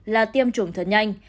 là tiêm chủng thật nhanh